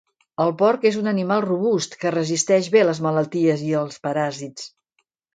El porc és un animal robust que resisteix bé les malalties i els paràsits.